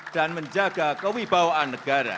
dan menjaga kewibawaan negara